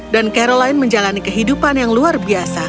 dan caroline menjalani kehidupan yang luar biasa